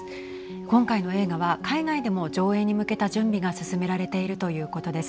今回の映画は海外でも上映に向けた準備が進められているということです。